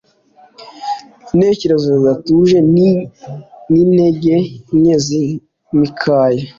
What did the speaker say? intekerezo zidatuje nintege nke zimikaya